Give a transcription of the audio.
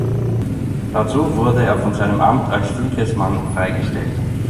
Dazu wurde er von seinem Amt als Fylkesmann freigestellt.